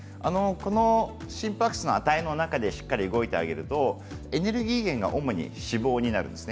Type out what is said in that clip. この心拍数の値の中でしっかりと動いてもらえるとエネルギー源が主に脂肪になります。